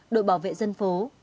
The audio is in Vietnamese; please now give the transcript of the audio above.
đội bảo vệ dân phố